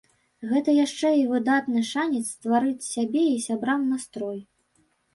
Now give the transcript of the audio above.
Гэта яшчэ і выдатны шанец стварыць сябе і сябрам настрой.